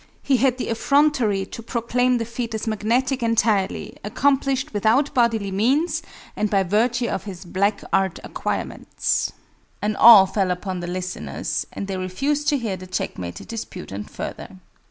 He had the effrontery to proclaim the feat as magnetic entirely, accomplished without bodily means, and by virtue of his black art acquirements. An awe fell upon the listeners, and they refused to hear the checkmated disputant further.